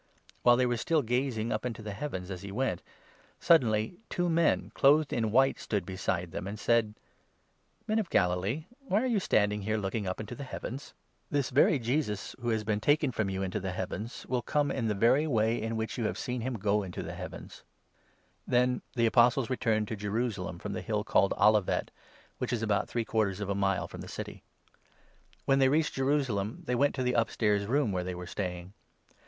While 10 they were still gazing up into the heavens, as he went, suddenly two men, clothed in white, stood beside them, and u said :" Men of Galilee, why are you standing here looking up into the heavens ? This very Jesus, who has been taken from you * Dan. 2. 44. 214 THE ACTS, 1. into the heavens, will come in the very way in which you have seen him go into the heavens." The Apostles Then the Apostles returned to Jerusalem from 12 in the hill called Olivet, which is about three quarters Jerusalem. of ^ mile From the city. When they reached Jerusalem, they went to the upstairs 13 room, where they were staying.